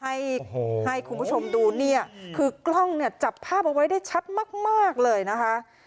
ให้ให้คุณผู้ชมดูเนี่ยคือกล้องเนี่ยจับภาพเอาไว้ได้ชัดมากมากเลยนะคะ